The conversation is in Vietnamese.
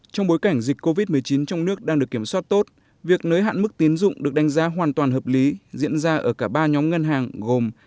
trong bối cảnh dịch covid một mươi chín trong nước đang được kiểm soát tốt việc nới hạn mức tiến dụng được đánh giá hoàn toàn hợp lý diễn ra ở cả ba nhóm ngân hàng gồm